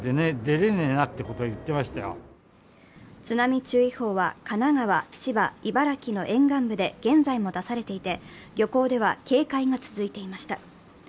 津波注意報は、神奈川、千葉、茨城の沿岸部で現在も出されていて漁港では警戒が続いていました。